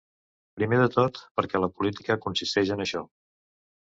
Primer de tot, perquè la política consisteix en això.